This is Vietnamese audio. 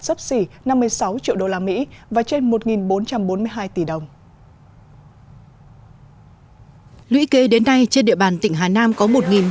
sấp xỉ năm mươi sáu triệu usd và trên một bốn trăm bốn mươi hai tỷ đồng lũy kế đến nay trên địa bàn tỉnh hà nam có